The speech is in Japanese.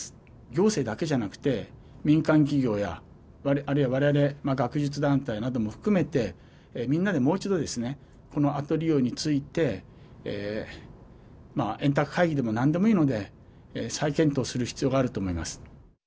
行政だけじゃなくて民間企業やあるいはわれわれ学術団体なども含めてみんなでもう一度この後利用について円卓会議でもなんでもいいので再検討する必要があると思います。